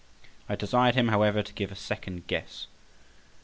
I desired him, however, to give a second guess.